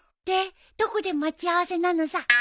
でどこで待ち合わせなのさ。